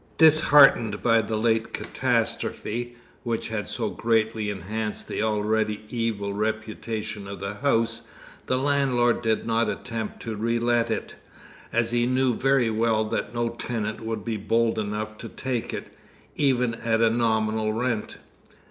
Disheartened by the late catastrophe, which had so greatly enhanced the already evil reputation of the house, the landlord did not attempt to relet it, as he knew very well that no tenant would be bold enough to take it, even at a nominal rent.